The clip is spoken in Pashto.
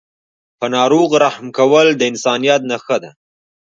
په ناروغ رحم کول د انسانیت نښه ده.